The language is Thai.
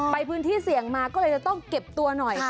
ไปพื้นที่เสี่ยงมาก็เลยจะต้องเก็บตัวหน่อย